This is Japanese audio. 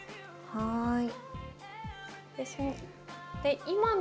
はい。